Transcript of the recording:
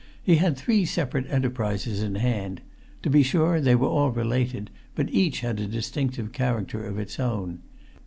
He had three separate enterprises in hand; to be sure, they were all related, but each had a distinctive character of its own.